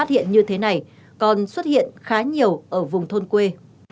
phát hiện như thế này còn xuất hiện khá nhiều ở vùng thôn quê